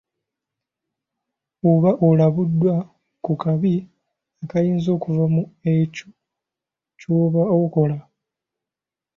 Oba olabuddwa ku kabi akayinza okuva mu ekyo ky'oba okola.